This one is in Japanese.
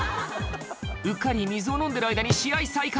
うっかり水を飲んでいる間に試合再開